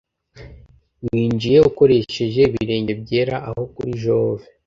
Winjiye ukoresheje ibirenge byera aho kuri Jove